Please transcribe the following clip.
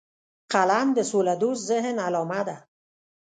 قلم د سولهدوست ذهن علامه ده